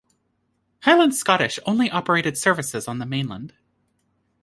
Highland Scottish only operated services on the mainland.